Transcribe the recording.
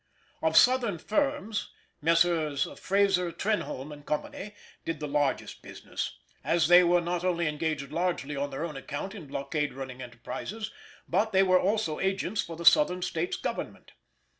Of Southern firms Messrs. Fraser, Trenholm, and Co. did the largest business, as they were not only engaged largely on their own account in blockade running enterprises, but they were also agents for the Southern States Government.